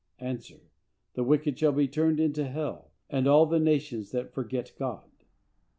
—A. "The wicked shall be turned into hell, and all the nations that forget God."